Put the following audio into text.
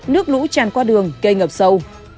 nước lũ tràn qua đường gây ngập sâu